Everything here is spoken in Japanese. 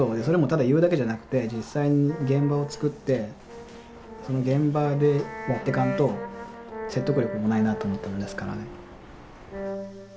それもただ言うだけじゃなくて実際に現場を作ってその現場でやっていかんと説得力もないなと思ったもんですからね。